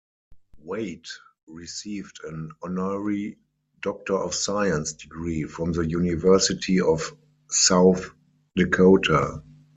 Waitt received an honorary Doctor of Science degree from the University of South Dakota.